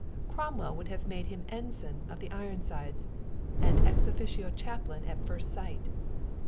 Cromwell would have made him ensign of the Ironsides, and ex officio chaplain at first sight.